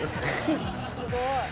「すごい！」